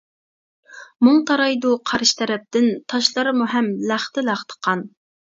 مۇڭ تارايدۇ قارشى تەرەپتىن، تاشلارمۇ ھەم لەختە-لەختە قان.